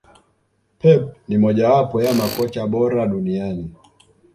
Pep ni moja wapo ya makocha bora duniani